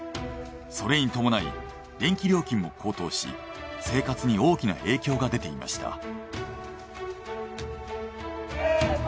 それに伴い電気料金も高騰し生活に大きな影響が出ていました。